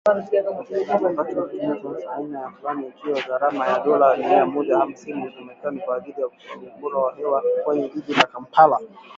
Wakati kikitumia sensa ya aina fulani, ikiwa na gharama ya dola mia moja hamsini za kimerekani kwa ajili ya kukagua ubora wa hewa kwenye jiji la Kampala.